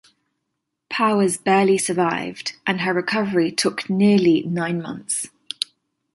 Powers barely survived, and her recovery took nearly nine months.